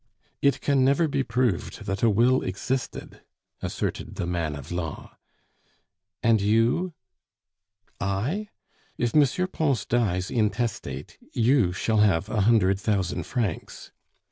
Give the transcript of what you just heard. "It can never be proved that a will existed," asserted the man of law. "And you?" "I?... If M. Pons dies intestate, you shall have a hundred thousand francs."